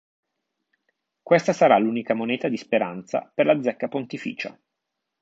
Questa sarà l'unica moneta di Speranza per la zecca pontificia.